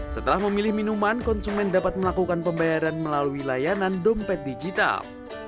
setelah memilih minuman konsumen dapat melakukan pembayaran melalui layanan dompet digital